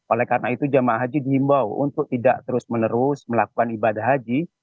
oleh karena itu jamaah haji dihimbau untuk tidak terus menerus melakukan ibadah haji